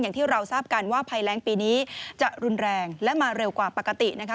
อย่างที่เราทราบกันว่าภัยแรงปีนี้จะรุนแรงและมาเร็วกว่าปกตินะคะ